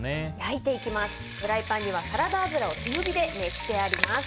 フライパンにはサラダ油を強火で熱してあります。